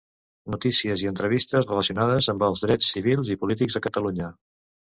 Notícies i entrevistes relacionades amb els drets civils i polítics a Catalunya.